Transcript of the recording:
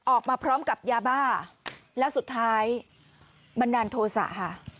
ออกมาพร้อมกับยาบ้าแล้วสุดท้ายบันดาลโทษะค่ะ